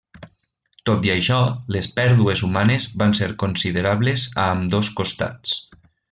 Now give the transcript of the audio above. Tot i això les pèrdues humanes van ser considerables a ambdós costats.